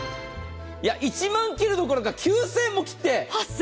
１万切るどころか９０００円も切って。